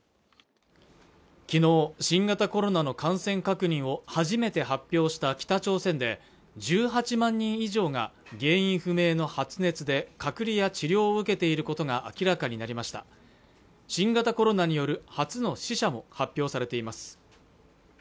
昨日新型コロナの感染確認を初めて発表した北朝鮮で１８万人以上が原因不明の発熱で隔離や治療を受けていることが明らかになりました新型コロナによる初の死者も発表されています